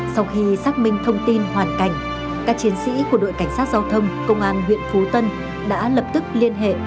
sau khi xác minh thông tin hoàn cảnh các chiến sĩ của đội cảnh sát giao thông công an huyện phú tân đã lập tức liên hệ